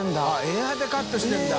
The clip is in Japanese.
エアーでカットしてるんだ。